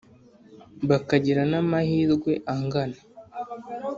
Bakagira na mahirwe angana